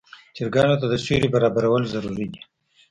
چرګانو ته د سیوري برابرول ضروري دي.